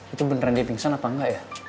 itu beneran dipingsan apa enggak ya